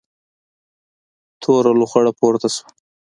توره لوخړه پورته شوه.